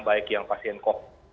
baik yang pasien covid